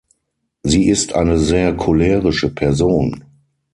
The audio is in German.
Sie ist eine sehr cholerische Person.